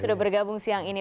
sudah bergabung siang ini